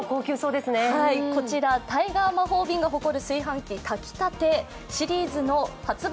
こちら、タイガー魔法瓶が誇る炊飯器炊きたてシリーズの発売